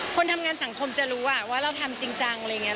คนทำงานสังคมจะรู้ว่าเราทำจริงจังอะไรอย่างนี้